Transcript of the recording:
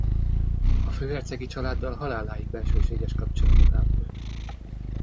A főhercegi családdal haláláig bensőséges kapcsolatot ápolt.